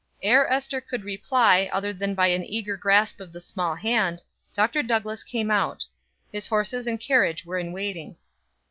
Ere Ester could reply other than by an eager grasp of the small hand, Dr. Douglass came out. His horses and carriage were in waiting.